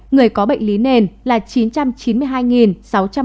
người có bệnh lý nền là